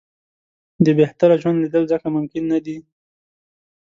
د بهتره ژوند لېدل ځکه ممکن نه دي.